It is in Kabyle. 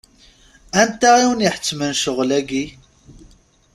Anta i wen-iḥettmen ccɣel-agi?